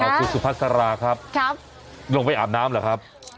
เอาทุกถุภัศราครับลงไปอาบน้ำหรือครับ